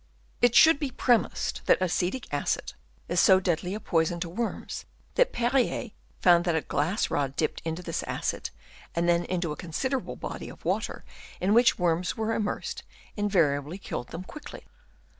It should be premised that acetic acid is so deadly a poison to worms that Perrier found that a glass rod dipped into this acid and then into a considerable body of water in which worms were immersed, in variably killed them quickly.